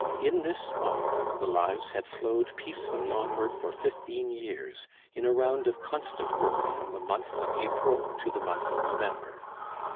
In this spot the lives had flowed peacefully onward for fifteen years, in a round of constant work from the month of April to the month of November.